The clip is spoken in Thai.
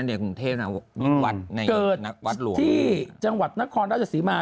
กรุงเทพมีวัดหลวงที่จังหวัดนครราชสีมา